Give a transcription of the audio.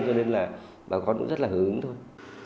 cho nên là bà con cũng rất là hứng thôi